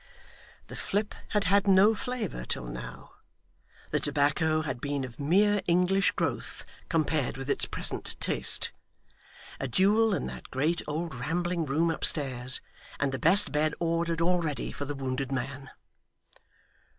The flip had had no flavour till now. The tobacco had been of mere English growth, compared with its present taste. A duel in that great old rambling room upstairs, and the best bed ordered already for the wounded man!